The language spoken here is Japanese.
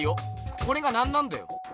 これが何なんだよ？